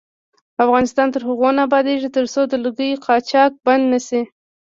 افغانستان تر هغو نه ابادیږي، ترڅو د لرګیو قاچاق بند نشي.